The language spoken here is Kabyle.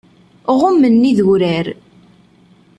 Ɣummen idurar.